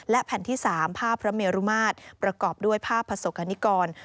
และแผ่นที่๓ภาพพระเมรุมาตรประกอบด้วยภาพประสบกรณิกร